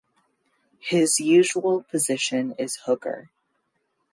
His usual position is hooker.